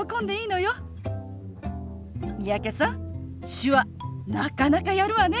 手話なかなかやるわね。